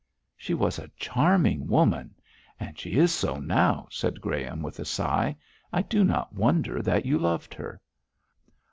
'She was a charming woman! She is so now!' said Graham, with a sigh. 'I do not wonder that you loved her.'